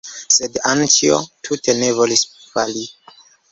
Sed Anĉjo tute ne volis fali.